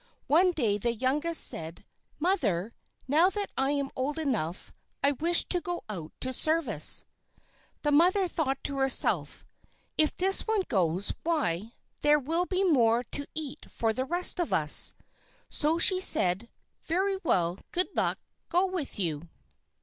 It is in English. One day the youngest said: "Mother, now that I am old enough, I wish to go out to service." The mother thought to herself: "If this one goes, why, there will be more to eat for the rest of us," so she said: "Very well, good luck go with you."